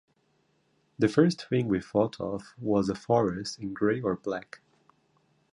The first thing we thought of was a forest in grey or black.